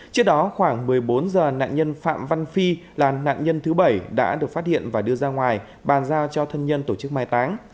trước đó khoảng một mươi bốn h nạn nhân phạm văn phi là nạn nhân thứ bảy đã được phát hiện và đưa ra ngoài bàn giao cho thân nhân tổ chức mai táng